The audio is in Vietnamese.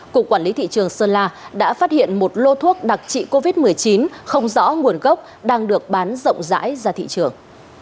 cục quản lý thị trường sơn la đã phát hiện một lô thuốc đặc trị covid một mươi chín không rõ nguồn gốc đang được bán rộng rãi ra thị trường